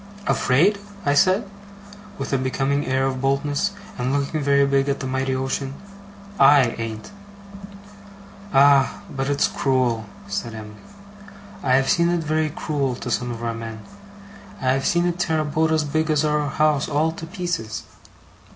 'Afraid!' I said, with a becoming air of boldness, and looking very big at the mighty ocean. 'I an't!' 'Ah! but it's cruel,' said Em'ly. 'I have seen it very cruel to some of our men. I have seen it tear a boat as big as our house, all to pieces.